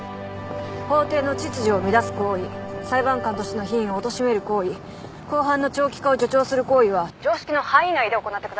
法廷の秩序を乱す行為裁判官としての品位をおとしめる行為公判の長期化を助長する行為は常識の範囲内で行ってください。